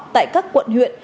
tại các quận huyện